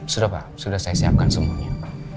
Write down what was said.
sudah pak sudah saya siapkan semuanya